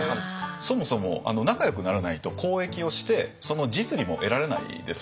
そもそも仲よくならないと交易をしてその実利も得られないですよね。